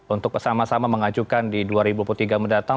untuk bersama sama mengajukan di dua ribu dua puluh tiga mendatang